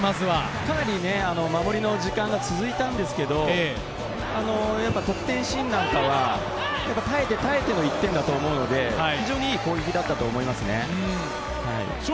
かなり守りの時間が続いたんですけれど、得点シーンなんかは、耐えて耐えての１点だと思うので、非常にいい攻撃だったと思います